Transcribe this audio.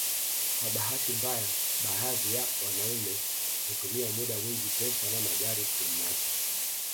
Kwa bahati mbaya baadhi ya wanaume hutumia muda mwingi pesa na magari kumnasa